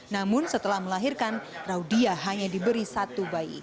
namun setelah melahirkan raudia hanya diberi satu bayi